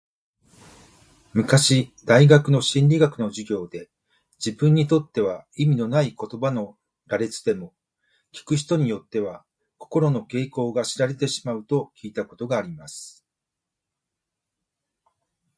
昔大学の心理学の授業で、自分にとっては意味のない言葉の羅列でも、聞く人によっては、心の傾向が知られてしまうと聞いたことがあります。